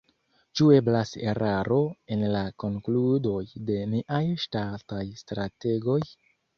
Ĉu eblas eraro en la konkludoj de niaj ŝtataj strategoj?